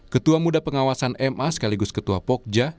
ketua muda pengawasan ma sekaligus ketua pokja